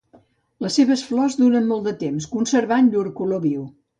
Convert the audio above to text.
Les seves flors duren molt de temps, conservant llur color viu.